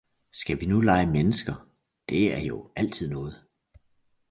Skal vi nu lege mennesker, det er jo altid noget!